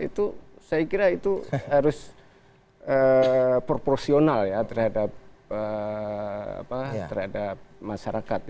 itu saya kira itu harus proporsional ya terhadap masyarakat